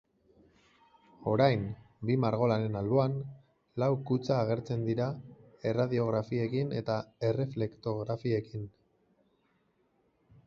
Orain, bi margolanen alboan, lau kutxa agertzen dira erradiografiekin eta erreflektografiekin.